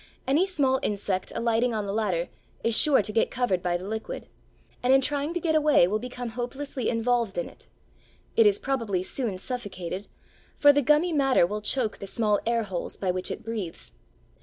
Any small insect alighting on the latter is sure to get covered by the liquid, and in trying to get away will become hopelessly involved in it. It is probably soon suffocated, for the gummy matter will choke the small air holes by which it breathes.